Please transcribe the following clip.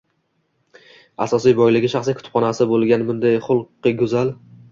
Asosiy boyligi shaxsiy kutubxonasi bo’lgan bunday xulqi go’zal